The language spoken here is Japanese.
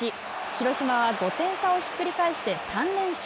広島は５点差をひっくり返して３連勝。